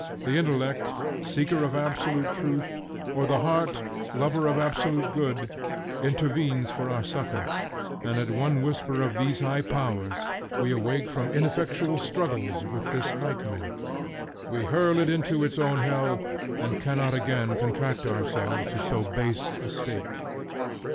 The intellect, seeker of absolute truth, or the heart, lover of absolute good, intervenes for our succor, and at one whisper of these high powers we awake from ineffectual struggles with this nightmare. We hurl it into its own hell, and cannot again contract ourselves to so base a state.